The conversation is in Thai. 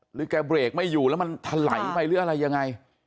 แกเบรกไม่อยู่แล้วมันถลายไปหรืออะไรยังไง